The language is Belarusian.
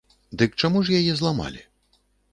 Дык чаму ж яе зламалі?